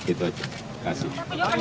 itu saja terima kasih